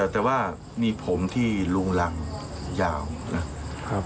แต่ว่ามีผมที่ลุงหลังยาวนะ